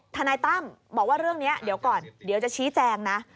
ทนายตั้มบอกว่าเรื่องนี้เดี๋ยวก่อนเดี๋ยวจะชี้แจงนะ